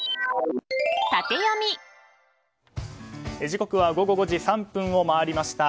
時刻は午後５時３分を回りました。